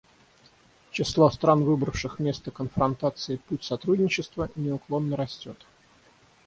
Число стран, выбравших вместо конфронтации путь сотрудничества, неуклонно растет.